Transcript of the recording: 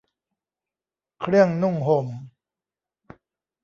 เครื่องนุ่งห่ม